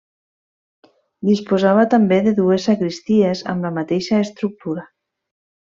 Disposava també de dues sagristies amb la mateixa estructura.